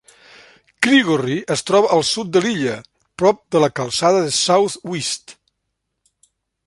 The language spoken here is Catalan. Creagorry es troba al sud de l'illa, prop de la calçada de South Uist.